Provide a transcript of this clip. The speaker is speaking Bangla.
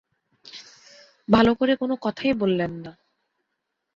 ভালো করে কোনো কথাই বললেন না।